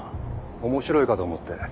面白いかと思って。